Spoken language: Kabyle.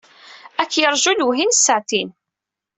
Ad k-yerju lewhi n ssaɛtin.